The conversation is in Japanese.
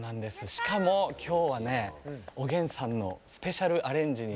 しかも今日はねおげんさんのスペシャルアレンジに。